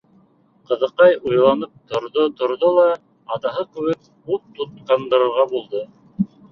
Ҡыҙыҡай уйланып торҙо-торҙо ла атаһы кеүек ут тоҡандырырға булды.